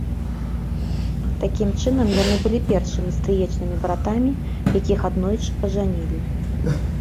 Такім чынам, яны былі першымі стрыечнымі братамі, якіх аднойчы пажанілі.